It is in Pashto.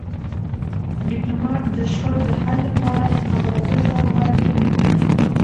ډيپلومات د شخړو د حل لپاره د خبرو اترو لار غوره کوي.